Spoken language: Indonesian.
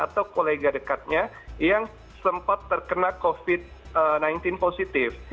tiga dekatnya yang sempat terkena covid sembilan belas positif